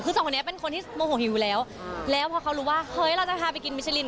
คือสองคนนี้เป็นคนที่โมโหหิวอยู่แล้วแล้วพอเขารู้ว่าเฮ้ยเราจะพาไปกินมิชลิน